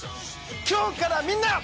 今日からみんな。